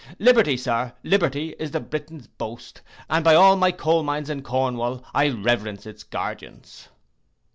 Liberty, Sir, liberty is the Briton's boast, and by all my coal mines in Cornwall, I reverence its guardians.